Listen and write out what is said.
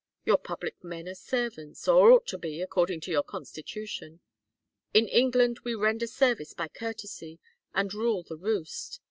Your public men are servants or ought to be, according to your Constitution. In England we render service by courtesy, and rule the roost.